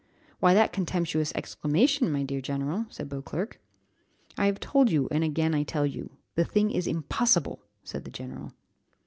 "Why that contemptuous exclamation, my dear general?" said Beauclerc. "I have told you, and again I tell you, the thing is impossible!" said the general.